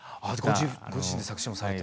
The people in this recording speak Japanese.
ご自身で作詞もされて。